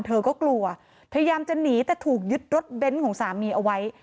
เธอก็กลัวพยายามจะหนีแต่ถูกยึดรถเบนท์ของสามีเอาไว้